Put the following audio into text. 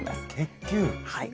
はい。